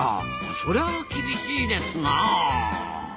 それは厳しいですなあ。